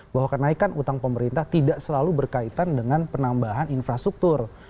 bahwa kenaikan utang pemerintah tidak selalu berkaitan dengan penambahan infrastruktur